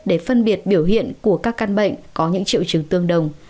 để phân biệt biểu hiện của các căn bệnh có những triệu chứng tương đồng